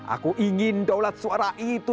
aku ingin daulat suara itu